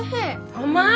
甘い！